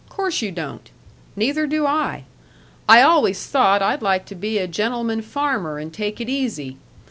Course you don't. Neither do I. I always thought I'd like to be a gentleman farmer and take it easy.